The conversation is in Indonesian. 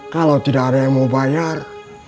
kalau tidak ada yang mau bayar